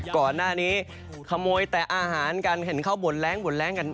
ก่อนหน้านี้ขโมยแต่อาหารกันเห็นเขาบ่นแรงบ่นแรงกัน